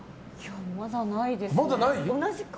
まだないですね。